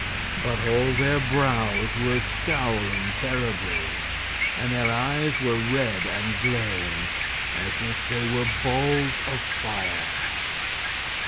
But all their brows were scowling terribly and their eyes were red and glaring as if they were balls of fire.